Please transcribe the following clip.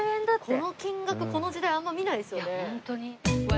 この時代あんま見ないですよね。